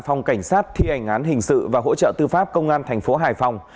phòng cảnh sát thi hành án hình sự và hỗ trợ tư pháp công an thành phố hải phòng